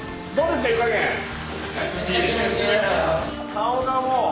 顔がもう